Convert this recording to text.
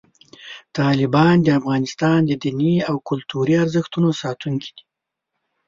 طالبان د افغانستان د دیني او کلتوري ارزښتونو ساتونکي دي.